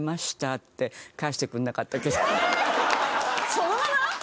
そのまま！？